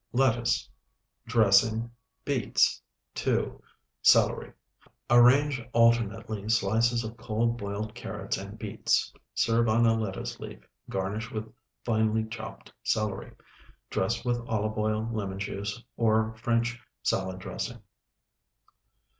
Lettuce. Dressing. Beets, 2. Celery. Arrange alternately slices of cold, boiled carrots and beets. Serve on a lettuce leaf, garnish with finely chopped celery. Dress with olive oil, lemon juice, or French salad dressing.